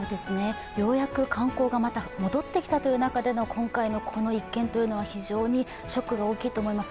ようやく観光がまた戻ってきたという中での今回の一件は非常にショックが大きいと思います。